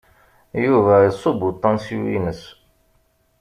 Yuba iṣubb uṭansyu-ines.